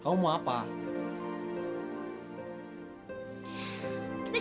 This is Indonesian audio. sekarang aku mau pengek di sini